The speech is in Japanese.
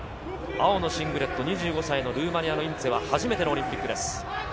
青のシングレット、２５歳のインツェは初めてのオリンピックです。